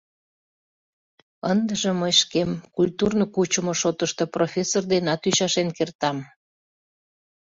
Ындыже мый шкем культурно кучымо шотышто профессор денат ӱчашен кертам!